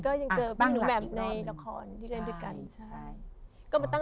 ก็ยังเจอบรรยายหนูแบบในละครที่เจนเพื่อกัน